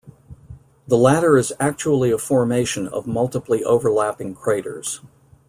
The latter is actually a formation of multiply overlapping craters.